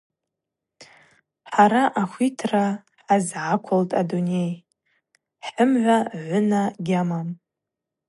Хӏара ахвитра хӏазгӏаквылтӏ адуней, хӏымгӏва гӏвына гьамам.